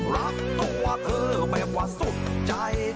รักตัวเธอแบบว่าสุดใจ